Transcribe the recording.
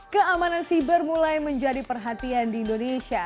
keamanan siber mulai menjadi perhatian di indonesia